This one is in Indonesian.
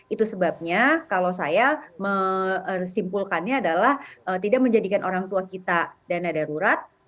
itu sebabnya kalau saya menyimpulkannya adalah tidak menjadikan orang tua kita dana darurat